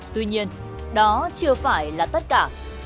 tuy nhiên đó chưa phải là tất cả